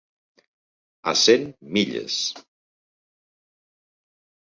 A cent milles.